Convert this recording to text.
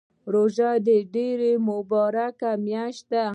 روژه ډیره مبارکه میاشت ده